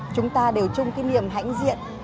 chúng ta đều chung cái niềm hãnh diện